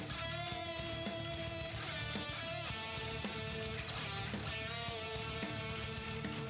โต๊ะยี่เทอดี